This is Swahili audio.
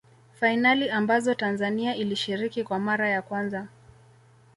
fainali ambazo tanzania ilishiriki kwa mara ya kwanza